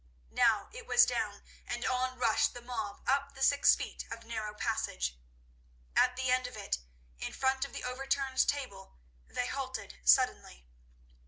Now it was down and on rushed the mob up the six feet of narrow passage. At the end of it, in front of the overturned table, they halted suddenly.